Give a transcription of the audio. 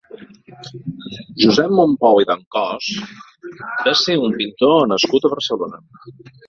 Josep Mompou i Dencausse va ser un pintor nascut a Barcelona.